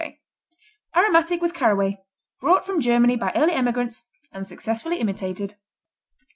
A._ Aromatic with caraway, brought from Germany by early emigrants and successfully imitated.